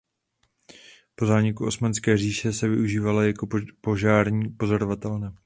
Po zániku Osmanské říše se využívala jako požární pozorovatelna.